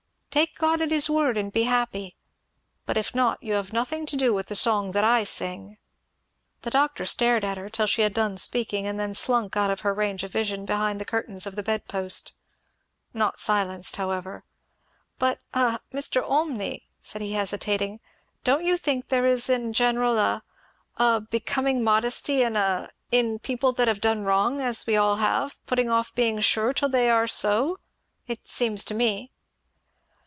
Take God at his word, and be happy; but if not, you have nothing to do with the song that I sing!" The doctor stared at her till she had done speaking, and then slunk out of her range of vision behind the curtains of the bed post. Not silenced however. "But a Mr. Olmney," said he hesitating "don't you think that there is in general a a becoming modesty, in a in people that have done wrong, as we all have, putting off being sure until they are so? It seems so to me!"